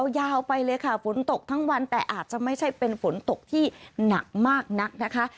ยาวไปเลยค่ะฝนตกทั้งวันแต่อาจจะไม่ใช่เป็นฝนตกที่หนักมากนักนะคะ